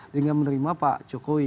dengan menerima pak jokowi